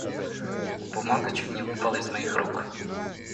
Бумага чуть не выпала из моих рук.